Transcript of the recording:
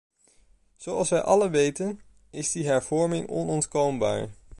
Zoals wij allen weten, is die hervorming onontkoombaar.